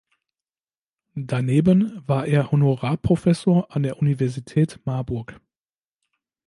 Daneben war er Honorarprofessor an der Universität Marburg.